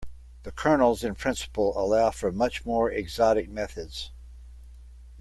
The kernels in principle allow for much more exotic methods.